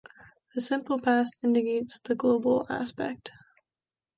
The simple past indicates the global aspect.